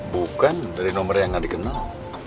bukan dari nomor yang nggak dikenal